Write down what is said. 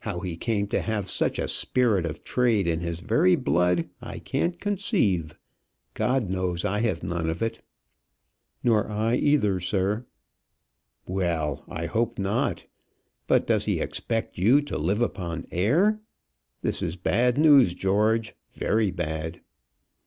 "How he came to have such a spirit of trade in his very blood, I can't conceive. God knows I have none of it." "Nor I either, sir." "Well, I hope not. But does he expect you to live upon air? This is bad news, George very bad."